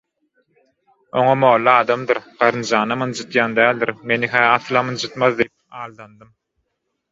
Оňa mоlla adamdyr garynjanam ynjydýan däldir, mеni-hä asylam ynjytmaz diýip aldandym.